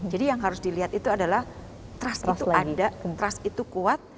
jadi yang harus dilihat itu adalah trust itu ada trust itu kuat